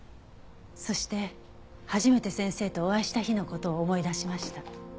そして初めて先生とお会いした日の事を思い出しました。